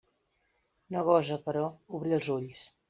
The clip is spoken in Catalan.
No gosa, però, obrir els ulls.